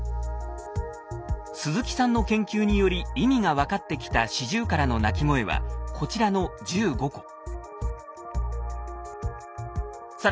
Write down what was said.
鈴木さんの研究により意味が分かってきたシジュウカラの鳴き声はこちらの１５個。